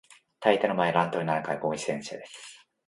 大抵の場合、乱闘になるのは外国人選手です。